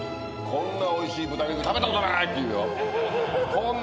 「こんなおいしい豚肉食べたことない」って言うよ。